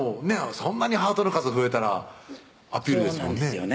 そんなにハートの数増えたらアピールですもんね